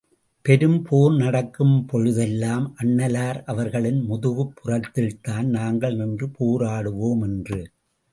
பெரும் போர் நடக்கும் பொழுதெல்லாம், அண்ணலார் அவர்களின் முதுகுப்புறத்தில்தான் நாங்கள் நின்று போராடுவோம் என்று.